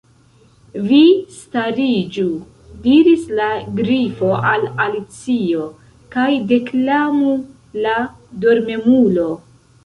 "Vi stariĝu," diris la Grifo al Alicio, "kaj deklamu ' la Dormemulo.'"